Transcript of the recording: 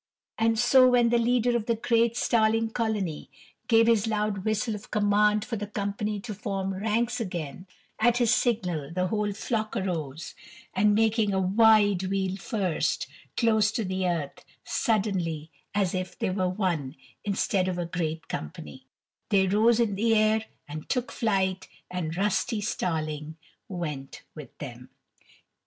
And so when the leader of the great Starling Colony gave his loud whistle of command for the company to form ranks again, at his signal the whole flock arose, and making a wide wheel first, close to the earth, suddenly, as if they were one instead of a great company, they arose in the air and took flight, and Rusty Starling went with them.